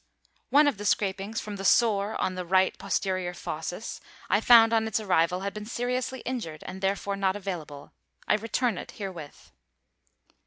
One of the scrapings from the sore on the right posterior fauces, I found on its arrival, had been seriously injured, and therefore not available. I return it herewith.